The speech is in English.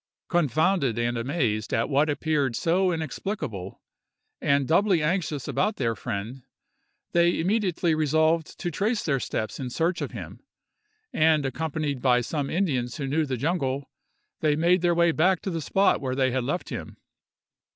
Confounded and amazed at what appeared so inexplicable, and doubly anxious about their friend, they immediately resolved to retrace their steps in search of him; and, accompanied by some Indians who knew the jungle, they made their way back to the spot where they had left him.